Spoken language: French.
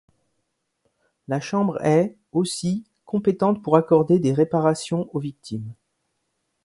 La Chambre est, aussi, compétente pour accorder des réparations aux victimes.